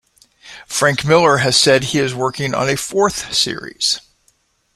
Frank Miller has said he is working on a fourth series.